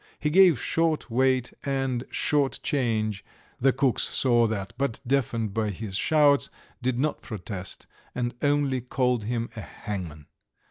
He gave short weight and short change, the cooks saw that, but, deafened by his shouts, did not protest, and only called him a hangman.